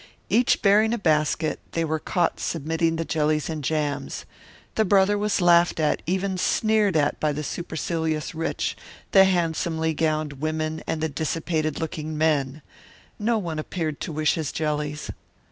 Each bearing a basket they were caught submitting the jellies and jams. The brother was laughed at, even sneered at, by the supercilious rich, the handsomely gowned women and the dissipated looking men. No one appeared to wish his jellies.